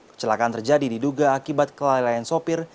kecelakaan terjadi diduga akibat kelalaian sopir